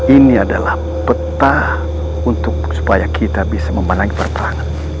ini adalah peta supaya kita bisa memanangi perperangan